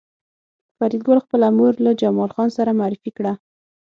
فریدګل خپله مور له جمال خان سره معرفي کړه